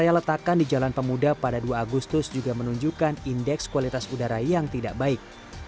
yang letakkan di jalan pemuda pada dua agustus juga menunjukkan indeks kualitas udara yang tidak baik